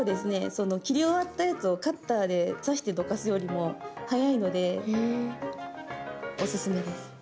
その切り終わったやつをカッターで刺してどかすよりも速いのでオススメです。